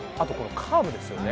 カーブですよね。